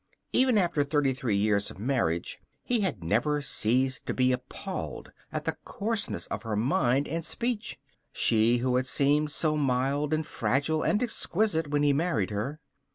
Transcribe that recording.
Even after thirty three years of marriage he had never ceased to be appalled at the coarseness of her mind and speech she who had seemed so mild and fragile and exquisite when he married her.